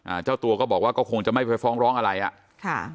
เจ้าตัวก็บอกว่าก็คงจะไม่ไปฟ้องร้องอะไรอ่ะค่ะ